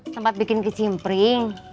tempat bikin kicimpring